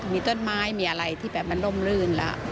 มีต้นไม้มีอะไรที่แบบมันร่มรื่นแล้ว